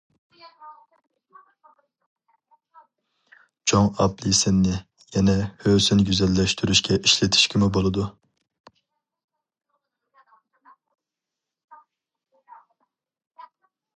چوڭ ئاپېلسىننى يەنە ھۆسن گۈزەللەشتۈرۈشكە ئىشلىتىشكىمۇ بولىدۇ.